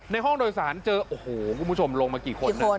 ห้องโดยสารเจอโอ้โหคุณผู้ชมลงมากี่คนนะ